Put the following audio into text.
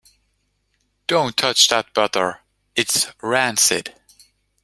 Don't touch that butter. It's rancid!